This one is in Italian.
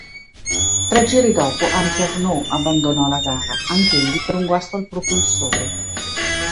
Tre giri dopo anche Arnoux abbandonò la gara, anch'egli per un guasto al propulsore.